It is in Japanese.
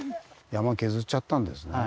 山削っちゃったんですね。